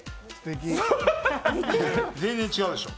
全然違うでしょう？